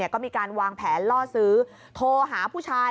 ก็มีการวางแผนล่อซื้อโทรหาผู้ชาย